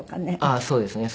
あっそうですね。